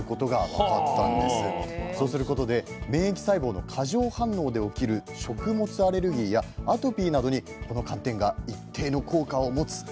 そうすることで免疫細胞の過剰反応で起きる食物アレルギーやアトピーなどにこの寒天が一定の効果を持つかもしれないんです。